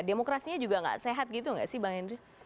demokrasinya juga gak sehat gitu gak sih bang hendry